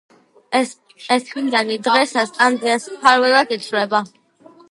ეს წმინდანი დღესაც ანდრიას მფარველად ითვლება.